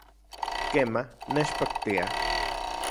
Kema, nechpaktia